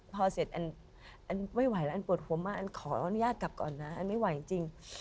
พอเสร็จอันไม่ไหวแล้วอันปวดหัวมากอันขออนุญาตกลับก่อนนะอันไม่ไหวจริง